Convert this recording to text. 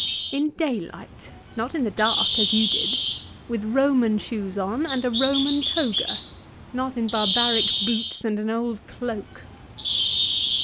In daylight; not in the dark, as you did; with Roman shoes on and a Roman toga ; not in barbaric boots and an old cloak."